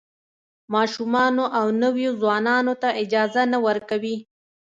ماشومانو او نویو ځوانانو ته اجازه نه ورکوي.